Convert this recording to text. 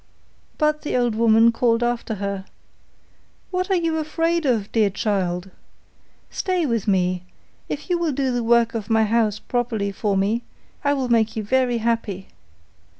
But the old woman called after her, 'What are you afraid of, dear child? Stay with me; if you will do the work of my house properly for me, I will make you very happy.